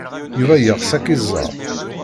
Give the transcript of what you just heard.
Yuba yeɣs ad k-iẓer.